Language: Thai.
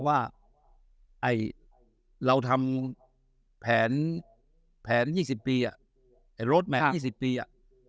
ว่าไอเราทำแผนแผนยี่สิบปีอ่ะไอรถแม่งยี่สิบปีอ่ะ